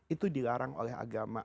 itu dilarang oleh agama